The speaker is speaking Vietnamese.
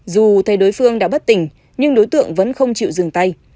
dù thay đối phương đã bất tỉnh nhưng đối tượng vẫn không chịu dừng tay